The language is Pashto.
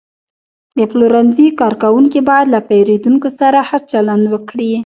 د پلورنځي کارکوونکي باید له پیرودونکو سره ښه چلند وکړي.